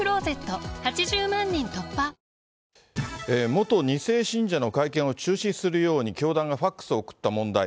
元２世信者の会見を中止するように教団がファックスを送った問題。